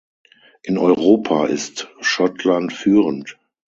In Europa ist Schottland führend.